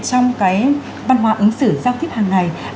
trong văn hóa ứng xử giao tiếp hàng ngày